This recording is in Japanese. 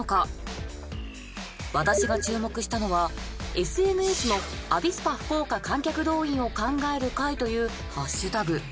私が注目したのはＳＮＳの「アビスパ福岡観客動員を考える会」というハッシュタグ。